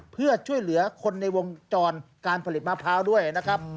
เพื่อช่วยเหลือคนในวงจรการผลิตมะพร้าวด้วยนะครับ